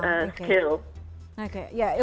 oke ya itu mengecewakan